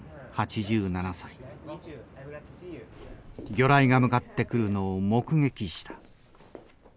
魚雷が向かってくるのを目撃した。